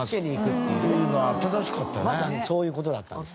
まさにそういう事だったんですね。